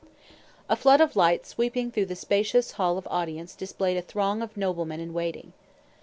A flood of light sweeping through the spacious Hall of Audience displayed a throng of noblemen in waiting.